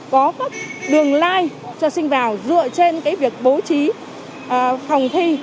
có các đường line cho sinh vào dựa trên việc bố trí phòng thi